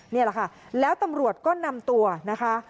นี่แหละค่ะแล้วตำรวจก็นำตัวนะคะ